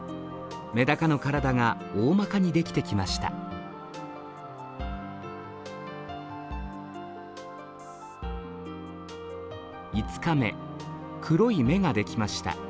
メダカの体がおおまかにできてきました黒い目ができました。